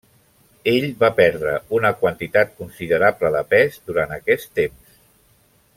Ell va perdre una quantitat considerable de pes durant aquest temps.